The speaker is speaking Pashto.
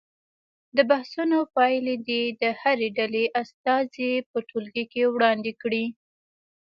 د بحثونو پایلې دې د هرې ډلې استازي په ټولګي کې وړاندې کړي.